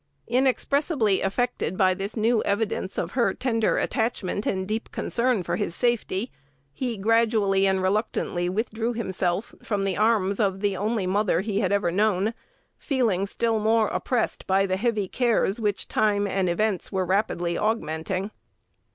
Inexpressibly affected by this new evidence of her tender attachment and deep concern for his safety, he gradually and reluctantly withdrew himself from the arms of the only mother he had ever known, feeling still more oppressed by the heavy cares which time and events were rapidly augmenting.